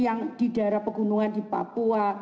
yang di daerah pegunungan di papua